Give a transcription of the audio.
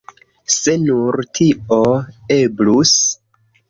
Se nur tio eblus!